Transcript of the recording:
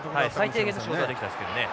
最低限の仕事はできたんですけどね。